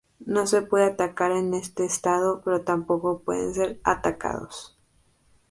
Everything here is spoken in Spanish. No pueden atacar en este estado pero tampoco pueden ser atacados.